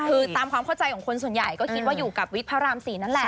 คือตามความเข้าใจของคนส่วนใหญ่ก็คิดว่าอยู่กับวิทย์พระราม๔นั่นแหละ